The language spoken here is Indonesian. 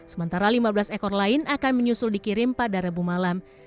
sementara lima belas ekor lain akan menyusul dikirim pada rabu malam